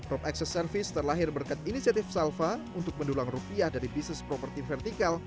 rope access service terlahir berkat inisiatif salva untuk mendulang rupiah dari bisnis properti vertikal